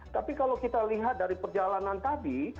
tapi kalau kita lihat dari perjalanan tadi